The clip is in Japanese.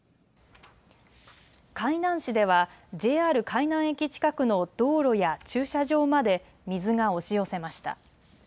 海南市ではＪＲ海南駅近くの道路や駐車場まで水が押し寄せました。